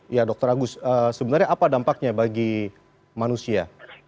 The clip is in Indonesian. ya dokter agus sebenarnya apa dampaknya bagi manusia